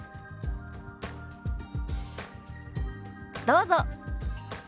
どうぞ。